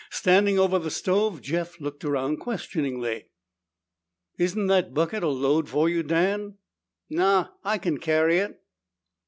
Standing over the stove, Jeff looked around questioningly. "Isn't that bucket a load for you, Dan?" "Nah! I can carry it."